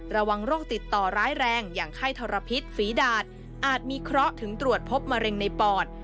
ระวังโรคติดต่อร้ายแรงอย่างไข้ทรพิษฝีดาดอาจมีเคราะห์ถึงตรวจพบมะเร็งในปอด